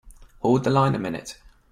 Hold the line a minute.